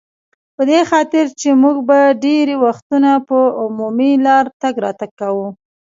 په دې خاطر چې موږ به ډېری وختونه پر عمومي لار تګ راتګ کاوه.